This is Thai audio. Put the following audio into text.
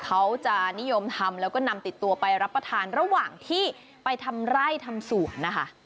เขาจะนิยมทำแล้วก็นำติดตัวไปรับประทานระหว่างที่ไปทำไร่ทำสวนนะคะ